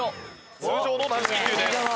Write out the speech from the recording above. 通常の軟式球です。